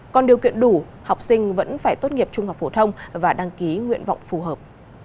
còn điều kiện đủ học sinh vẫn phải tốt nghiệp trung học phổ thông và đăng ký nguyện vọng phù hợp